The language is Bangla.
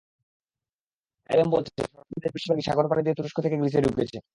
আইওএম বলছে, শরণার্থীদের বেশির ভাগই সাগর পাড়ি দিয়ে তুরস্ক থেকে গ্রিসে ঢুকেছে।